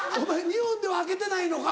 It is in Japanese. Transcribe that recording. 日本では開けてないのか？